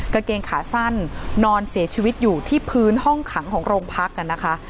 กางเกงขาสั้นนอนเสียชีวิตอยู่ที่พื้นห้องขังของโรงพักนะคะ